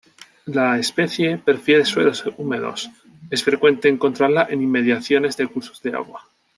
La especie prefiere suelos húmedos, es frecuente encontrarla en inmediaciones de cursos de agua.